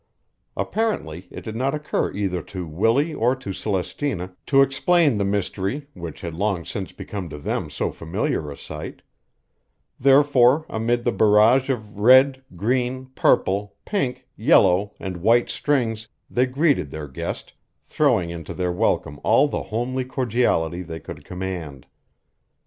Apparently it did not occur either to Willie or to Celestina to explain the mystery which had long since become to them so familiar a sight; therefore amid the barrage of red, green, purple, pink, yellow and white strings they greeted their guest, throwing into their welcome all the homely cordiality they could command.